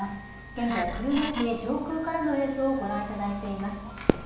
現在、久留米市上空からの映像をご覧いただいています。